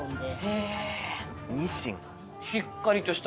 へぇ。